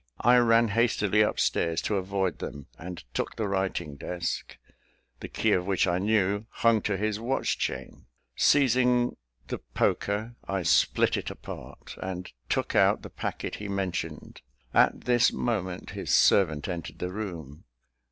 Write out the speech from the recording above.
I ran hastily upstairs, to avoid them, and took the writing desk, the key of which I knew hung to his watch chain. Seizing the poker, I split it open, and took out the packet he mentioned. At this moment his servant entered the room.